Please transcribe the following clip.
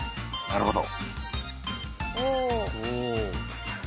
なるほど。